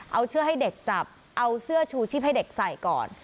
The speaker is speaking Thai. เอาเสื้อให้เด็กจับเอาเสื้อชูชีพให้เด็กใส่ก่อน